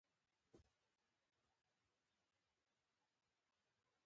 په قبايلي پښتانو کې اوس هم جنسيتي تواپيرونه پاتې دي .